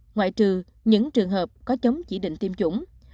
ngoại trừ những trường hợp có chống chỉ định tiêm chủng